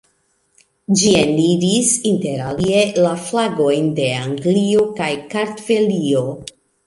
Ĝi eniris interalie la flagojn de Anglio kaj Kartvelio.